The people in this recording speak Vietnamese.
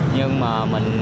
nhưng mà mình